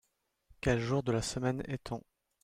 Quel jour de le semaine est-on ?